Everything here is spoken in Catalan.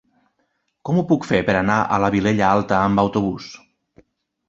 Com ho puc fer per anar a la Vilella Alta amb autobús?